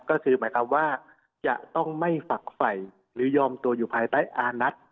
ก็คือหมายความว่าจะต้องไม่ฝักไฟหรือยอมตัวอยู่ภายใต้อานัท